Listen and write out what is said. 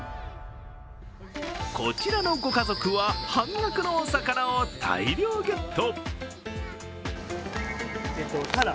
こちらのご家族は、半額のお魚を大量ゲット。